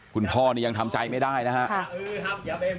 คุณพ่อนี่ยังทำใจไม่ได้นะครับ